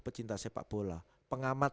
pecinta sepak bola pengamat